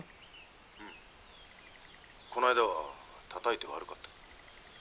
こないだはたたいて悪かった」。